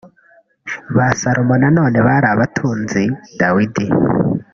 ba salomo na none bari abatunzi Dawidi